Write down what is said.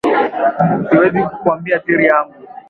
Siwezi kukuambia siri yangu